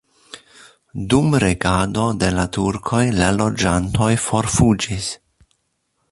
Dum regado de la turkoj la loĝantoj forfuĝis.